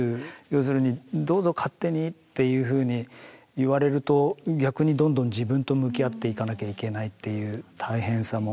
要するに「どうぞ勝手に」っていうふうに言われると逆にどんどん自分と向き合っていかなきゃいけないっていう大変さも。